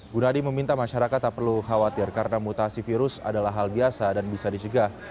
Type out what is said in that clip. gunadi meminta masyarakat tak perlu khawatir karena mutasi virus adalah hal biasa dan bisa dicegah